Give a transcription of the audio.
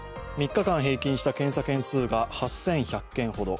３日間平均した検査件数が８１００件ほど。